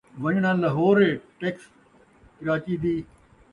ون٘ڄݨاں لہور ہے ، ٹکس کراچی دی